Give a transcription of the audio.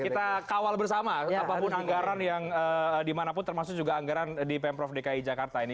kita kawal bersama apapun anggaran yang dimanapun termasuk juga anggaran di pemprov dki jakarta ini